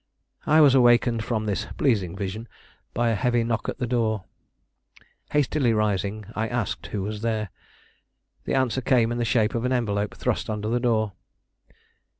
I was awakened from this pleasing vision by a heavy knock at the door. Hastily rising, I asked who was there. The answer came in the shape of an envelope thrust under the door.